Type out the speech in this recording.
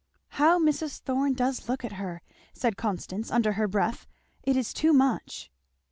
"How Mrs. Thorn does look at her!" said Constance, under her breath. "It is too much!"